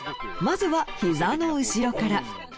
まずはひざの後ろから。